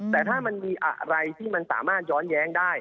แต่ถ้ามันมีอะไรที่มันสามารถย้อนแย้งได้